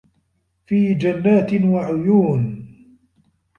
في جَنّاتٍ وَعُيونٍ